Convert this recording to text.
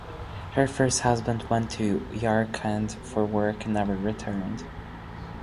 Her first husband went to Yarkand for work and never returned.